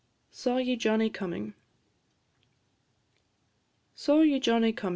SAW YE JOHNNIE COMIN'? "Saw ye Johnnie comin'?"